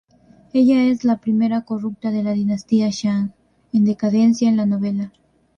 Ella es la primera corrupta de la dinastía Shang en decadencia en la novela.